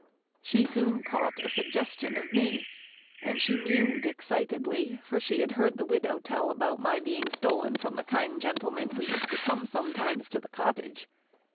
She soon caught a suggestion of me, and she mewed excitedly, for she had heard the widow tell about my being stolen from the kind gentleman who used to come sometimes to the cottage.